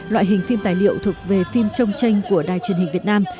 loại hình phim tài liệu thuộc về phim trông tranh của đài truyền hình việt nam